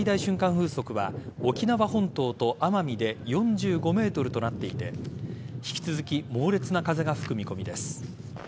風速は沖縄本島と奄美で４５メートルとなっていて引き続き猛烈な風が吹く見込みです。